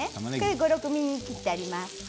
５、６ｍｍに切ってあります。